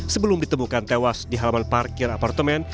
sebelum ditemukan tewas di halaman parkir apartemen